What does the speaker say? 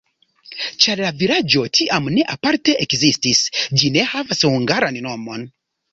Ĉar la vilaĝo tiam ne aparte ekzistis, ĝi ne havas hungaran nomon.